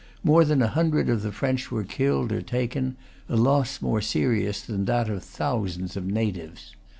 More than a hundred of the French were killed or taken, a loss more serious than that of thousands of natives.